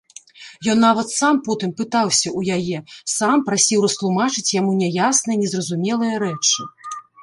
Ён нават сам потым пытаўся ў яе, сам прасіў растлумачыць яму няясныя, незразумелыя рэчы.